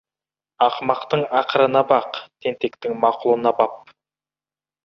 Ақымақтың ақырына бақ, тентектің мақұлына бап.